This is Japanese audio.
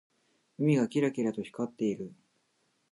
海がキラキラと光っている。